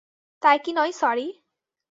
তাই কি নয় সরি।